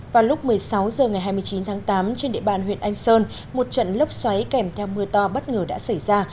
vào lúc một mươi sáu h ngày hai mươi chín tháng tám trên địa bàn huyện anh sơn một trận lốc xoáy kèm theo mưa to bất ngờ đã xảy ra